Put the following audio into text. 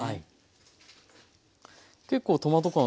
結構トマト感